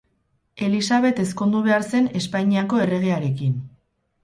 Elisabet ezkondu behar zen Espainiako erregearekin.